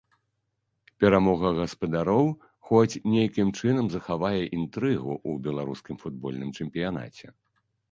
Перамога гаспадароў хоць нейкім чынам захавае інтрыгу ў беларускім футбольным чэмпіянаце.